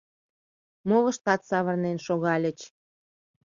Молыштат савырнен шогальыч.